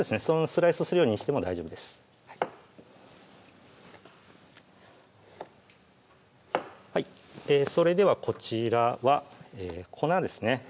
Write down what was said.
スライスをするようにしても大丈夫ですそれではこちらは粉ですね